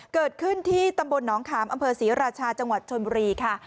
เกิดขึ้นที่ตำบลหนองขามอำเภอศรีราชาจังหวัดชนบุรีค่ะ